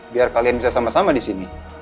biar kalian bisa sama sama disini